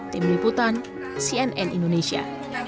tim liputan cnn indonesia